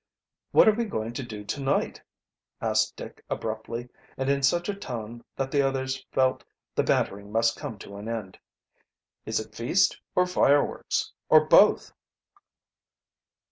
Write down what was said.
"What are we going to do to night?" asked Dick abruptly, and in such a tone that the others felt the bantering must come to an end. "Is it feast, or fireworks, or both?"